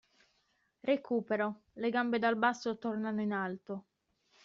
Recupero: Le gambe dal basso tornano in alto.